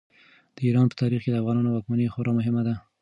د ایران په تاریخ کې د افغانانو واکمني خورا مهمه ده.